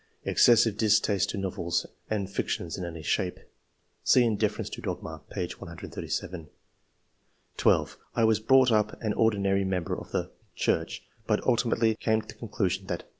Excessive distaste to novels and fictions in any shape.'' (See ''Indifference to dogma" p. 137) 12. "I was brought up an ordinary member of the ... Church, but ultimately came to the conclusion that